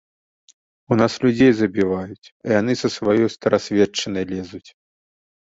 У нас людзей забіваюць, а яны са сваёй старасветчынай лезуць.